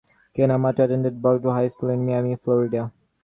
Ken Amato attended Braddock High School in Miami, Florida.